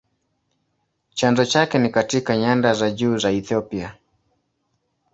Chanzo chake ni katika nyanda za juu za Ethiopia.